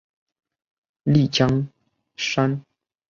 丽江杉